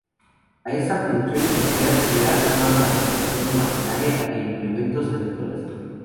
A esta producción industrial se ha sumado la fabricación de maquinaria e implementos agrícolas.